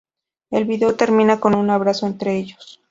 El video termina con un abrazo entre ellos.